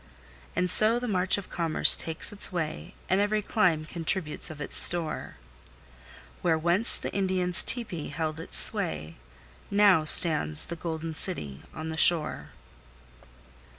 And so the march of commerce takes its way, And every clime contributes of its store Where once the Indian's tepee held its sway, Now stands the Golden City on the shore.